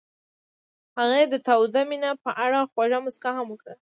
هغې د تاوده مینه په اړه خوږه موسکا هم وکړه.